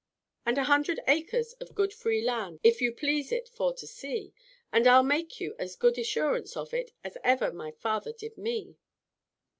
"And a hundred acres of good free land, If you please it for to see; And I'll make you as good assurance of it, As ever my father did me."